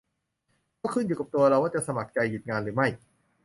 ก็ขึ้นอยู่กับตัวเราว่าจะสมัครใจหยุดงานหรือไม่